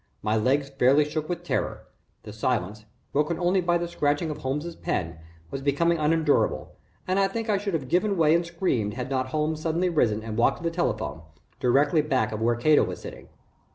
My legs fairly shook with terror. The silence, broken only by the scratching of Holmes's pen, was becoming unendurable and I think I should have given way and screamed had not Holmes suddenly risen and walked to the telephone, directly back of where Cato was sitting.